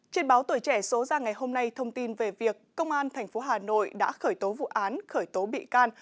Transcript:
trên báo tuổi trẻ số ra ngày hôm nay thông tin về việc công an tp hà nội đã khởi tố vụ án khởi tố bị can